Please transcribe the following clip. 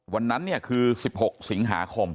วันนั้นคือ๑๖สิงหาคม